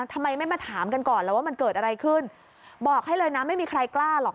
ทำไมไม่มาถามกันก่อนแล้วว่ามันเกิดอะไรขึ้นบอกให้เลยนะไม่มีใครกล้าหรอก